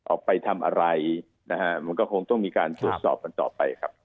ออกไปทำอะไรนะฮะมันก็คงต้องมีการตรวจสอบกันต่อไปครับ